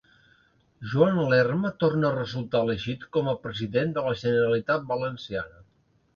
Joan Lerma torna a resultar elegit com a President de la Generalitat Valenciana.